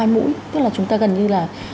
hai mũi tức là chúng ta gần như là